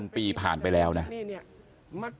๕๐๐๐ปีผ่านไปแล้วนะ